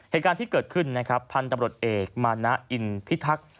เหตุการณ์ที่เกิดขึ้นนะครับพันธบรวจเอกมานะอินพิทักษ์